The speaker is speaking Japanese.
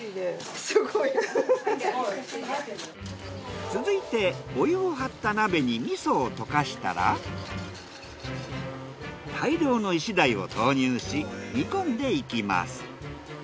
すごい！続いてお湯を張った鍋に味噌を溶かしたら大量のイシダイを投入し煮込んでいきます。